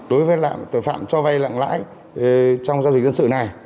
đối với tội phạm cho vay nặng lãi trong giao dịch dân sự này